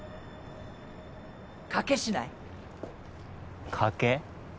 賭けしない？賭け？